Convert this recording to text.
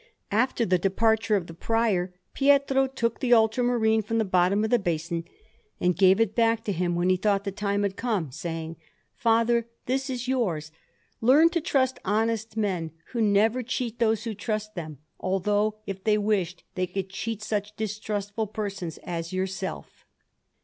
After the departure of the Prior, Pietro took the ultramarine from the bottom of the basin, and gave it back to him when he thought the time had come, saying: "Father, this is yours; learn to trust honest men, who never cheat those who trust them, although, if they wished, they could cheat such distrustful persons as yourself."